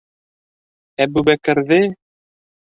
Әбүбәкерҙе...